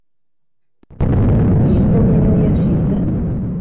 Yella win i as-yennan?